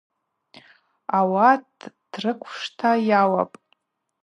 Ауат Трыквшта йауапӏ.